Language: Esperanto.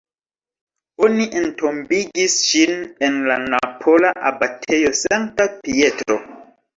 Oni entombigis ŝin en la napola abatejo Sankta Pietro.